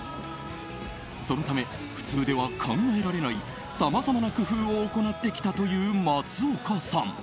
そのため、普通では考えられないさまざまな工夫を行ってきたという松岡さん。